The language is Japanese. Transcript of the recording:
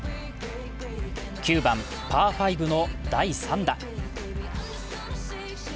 ９番、パー５の第３打。